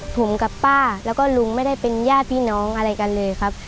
ผมกับป้าแล้วก็ลุงไม่ได้เป็นญาติพี่น้องอะไรกันเลยครับ